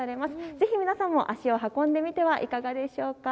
ぜひ皆さんも足を運んでみてはいかがでしょうか。